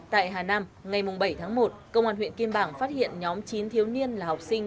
tại hà nam ngày bảy tháng một công an huyện kim bảng phát hiện nhóm chín thiếu niên là học sinh